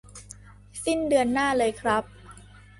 สิ้นเดือนหน้าเลยครับ